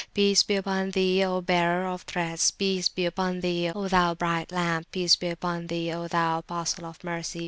Peace be upon Thee, O Bearer of Threats! Peace be upon Thee, O thou bright Lamp! Peace be upon Thee, O thou Apostle of Mercy!